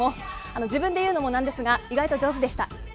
自分で言うのもなんですが意外と上手でした。